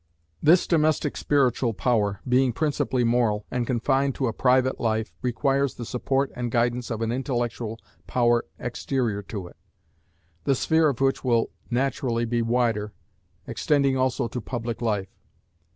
This domestic Spiritual Power, being principally moral, and confined to a private life, requires the support and guidance of an intellectual power exterior to it, the sphere of which will naturally be wider, extending also to public life.